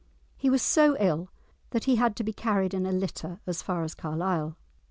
He was so ill that he had to be carried in a litter as far as Carlisle.